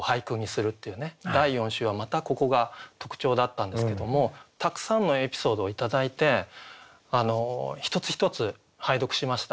第４週はまたここが特徴だったんですけどもたくさんのエピソードを頂いて一つ一つ拝読しました。